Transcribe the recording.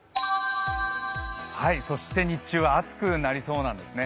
はい、そして日中は暑くなりそうなんですね。